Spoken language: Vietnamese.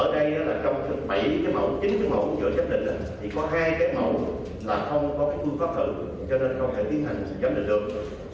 ở đây là trong bảy cái mẫu chín cái mẫu vừa nhất định chỉ có hai cái mẫu là không có cái phương pháp thử cho nên không thể tiến hành giám định được